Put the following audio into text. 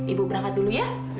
ibu berangkat dulu ya